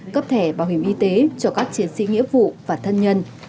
cấp thẻ bảo hiểm y tế cho các chiến sĩ nghĩa vụ và thân nhân